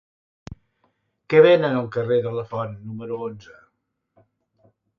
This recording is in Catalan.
Què venen al carrer de Lafont número onze?